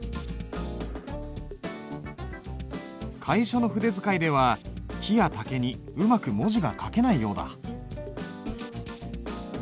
楷書の筆使いでは木や竹にうまく文字が書けないようだ。